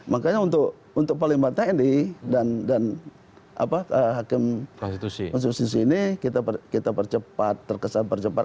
makanya untuk paling batas ini dan hakim konstitusi ini kita percepat terkesan percepat